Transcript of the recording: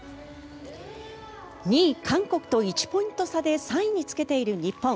２位韓国と１ポイント差で３位につけている日本。